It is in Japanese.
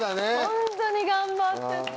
ホントに頑張ってた。